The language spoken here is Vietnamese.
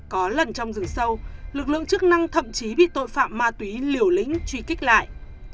có lần trong rừng sâu lực lượng chức năng thậm chí bị tội phạm ma túy liều lĩnh truy kích lại